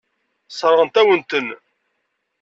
Sseṛɣent-awen-ten.